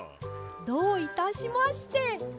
どういたしまして。